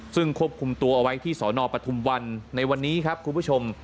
ซึ่งควบคุมตัวเอาไว้ที่สนปทุมวันในวันนี้ครับคุณผู้ชม